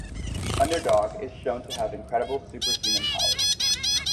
Underdog is shown to have incredible superhuman powers.